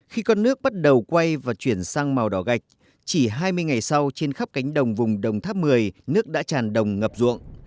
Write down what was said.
khi con nước bắt đầu quay và chuyển sang màu đỏ gạch chỉ hai mươi ngày sau trên khắp cánh đồng vùng đồng tháp một mươi nước đã tràn đồng ngập ruộng